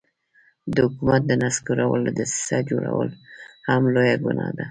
د حکومت د نسکورولو دسیسه جوړول هم لویه ګناه وه.